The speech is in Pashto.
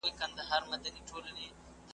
پکښي غورځي د پلار وينه ,